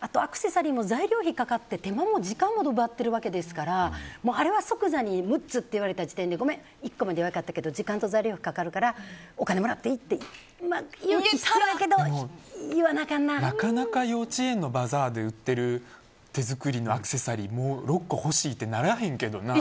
あとアクセサリーも材料費かかって手間も時間も奪ってるわけですからあれは即座に６つって言われた時点でごめん１個まで分かったけど時間と材料かかるからお金もらっていい？って勇気必要やけどなかなか幼稚園のバザーで売っている手作りのアクセサリー６個欲しいってならへんけどな。